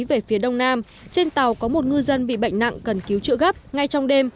về phía đông nam trên tàu có một ngư dân bị bệnh nặng cần cứu trợ gấp ngay trong đêm